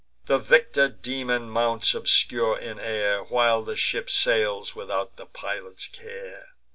The victor daemon mounts obscure in air, While the ship sails without the pilot's care.